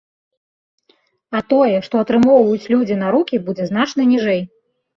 А тое, што людзі атрымоўваць на рукі, будзе значна ніжэй.